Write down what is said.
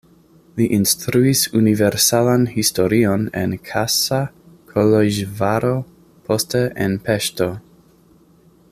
Li instruis universalan historion en Kassa, Koloĵvaro, poste en Peŝto.